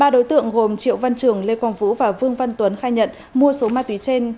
ba đối tượng gồm triệu văn trường lê quang vũ và vương văn tuấn khai nhận mua số ma túy trên